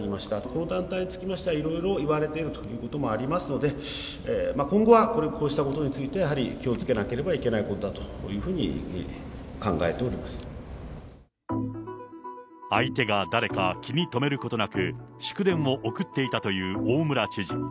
この団体につきましてはいろいろ言われているということもありますので、今後はこうしたことについて、やはり気をつけなければいけないということだというふうに考えて相手が誰か気に留めることなく、祝電を送っていたという大村知事。